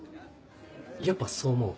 やっぱそう思う？